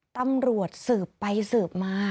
ตำรวจสืบไปสืบมา